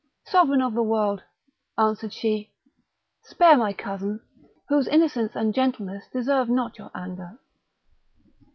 "Sovereign of the world?" answered she, "spare my cousin, whose innocence and gentleness deserve not your anger."